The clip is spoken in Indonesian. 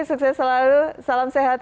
sukses selalu salam sehat